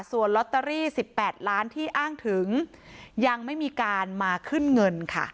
ส่วนลอตเตอรี่๑๘ล้านที่อ้างถึงยังไม่มีการมาขึ้นเงินค่ะ